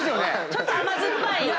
ちょっと甘酸っぱい。